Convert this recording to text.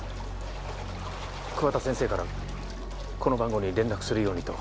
桑田先生からこの番号に連絡するようにと。